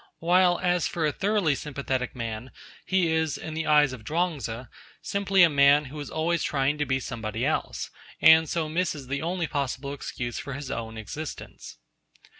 While, as for a thoroughly sympathetic man, he is, in the eyes of Chuang Tzu, simply a man who is always trying to be somebody else, and so misses the only possible excuse for his own existence.